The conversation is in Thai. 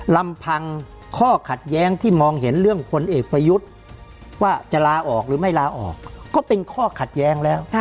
ลำพังข้อขัดแย้งที่มองเห็นเรื่องพลเอกประยุทธ์ว่าจะลาออกหรือไม่ลาออกก็เป็นข้อขัดแย้งแล้ว